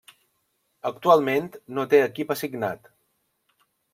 Actualment no té equip assignat.